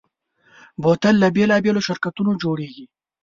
بوتل له بېلابېلو شرکتونو جوړېږي.